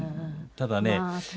ただね